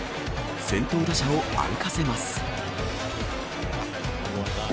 先頭打者を歩かせます。